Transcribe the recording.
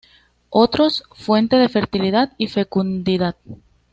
Otros, fuente de fertilidad y fecundidad.